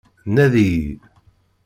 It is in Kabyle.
Nadi-yi.